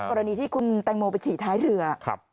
กรณีที่คุณแตงโมไปฉี่ท้ายเรือ